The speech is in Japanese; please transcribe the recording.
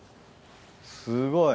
すごい。